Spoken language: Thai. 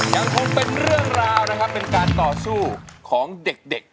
ยังคงเป็นเรื่องราวนะครับเป็นการต่อสู้ของเด็ก